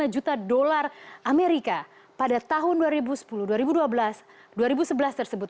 tiga juta dolar amerika pada tahun dua ribu sepuluh dua ribu dua belas dua ribu sebelas tersebut